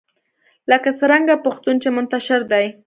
لکه څرنګه پښتون چې منتشر دی